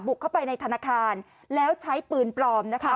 เข้าไปในธนาคารแล้วใช้ปืนปลอมนะคะ